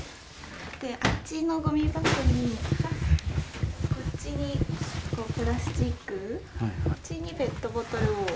あっちのごみ箱に、こっちにプラスチック、こっちにペットボトルを。